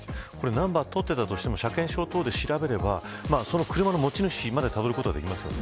ナンバーを撮っていたとしても車検等で調べれば車の持ち主までたどることはできますよね。